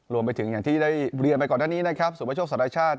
รวมไปถึงอย่างที่ได้เรียนไปก่อนด้านนี้นะครับสูงประโยชน์สัตว์รัฐชาติ